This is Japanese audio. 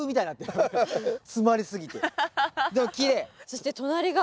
そして隣が。